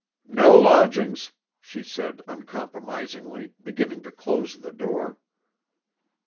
"No lodgings," she said uncompromisingly, beginning to close the door.